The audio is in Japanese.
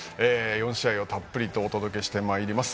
４試合をたっぷりとお届けします。